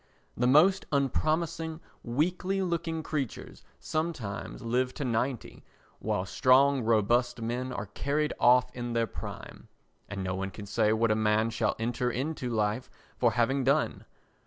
The most unpromising weakly looking creatures sometimes live to ninety while strong robust men are carried off in their prime. And no one can say what a man shall enter into life for having done.